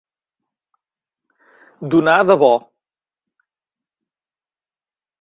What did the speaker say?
Donar de bo.